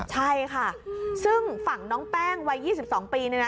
ใช่ค่ะซึ่งฝั่งน้องแป้งวัย๒๒ปีเนี่ยนะ